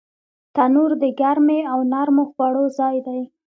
تنور د ګرمۍ او نرمو خوړو ځای دی